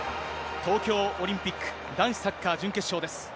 東京オリンピック男子サッカー準決勝です。